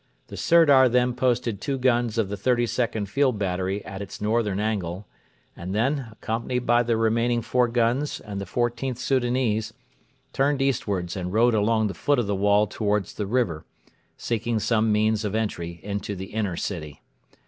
The Sirdar then posted two guns of the 32nd Field Battery at its northern angle, and then, accompanied by the remaining four guns and the XIVth Soudanese, turned eastwards and rode along the foot of the wall towards the river, seeking some means of entry into the inner city.